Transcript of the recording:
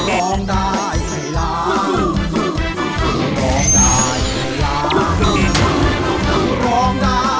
ร้องได้ให้ล้าน